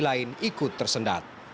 lain ikut tersendat